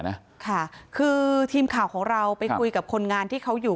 นะค่ะคือทีมข่าวของเราไปคุยกับคนงานที่เขาอยู่